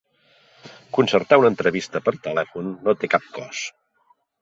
Concertar una entrevista per telèfon no té cap cost.